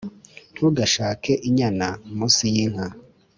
ntugashake inyana munsi y'inka